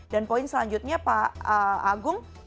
dan poin selanjutnya pak agung